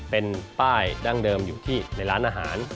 เป็นป้ายดั้งเดิมอยู่ที่ในร้านอาหาร